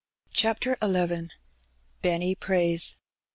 CHAPTER XL BENNY PRAYS.